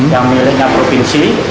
yang miliknya provinsi